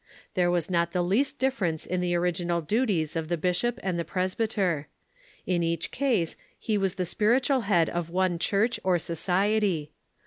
There was not the least difference in the orig inal duties of the bishop and the presbyter. In each case he was the spiritual head of one church or society.